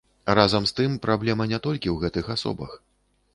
Разам з тым, праблема не толькі ў гэтых асобах.